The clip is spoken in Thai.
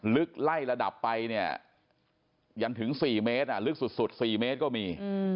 ลึกไล่ระดับไปเนี่ยยันถึง๔เมตรลึกสุด๔เมตรก็มี